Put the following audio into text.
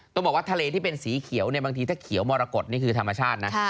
ต้องบอกว่าทะเลที่เป็นสีเขียวเนี่ยบางทีถ้าเขียวมรกฏนี่คือธรรมชาตินะ